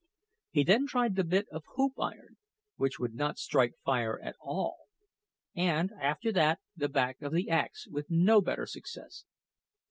He then tried the bit of hoop iron, which would not strike fire at all; and after that the back of the axe, with no better success.